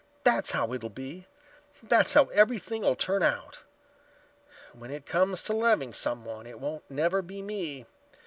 "That's how it'll be. That's how everything'll turn out. When it comes to loving someone, it won't never be me.